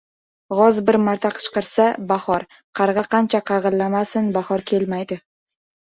• G‘oz bir marta qichqirsa ― bahor, qarg‘a qancha qag‘illamasin bahor kelmaydi.